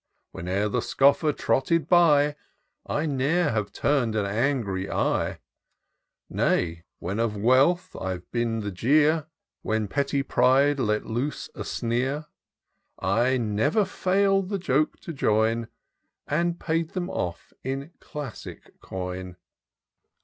Whene'er the scoffer trotted by, I ne'er hs^ve tum'd an angry eye : Nay, when of wealth I've been the jeer, When petty pride let loose a sneer, I never fisdl'd the joke to join, And paid them 6ff in classic coin.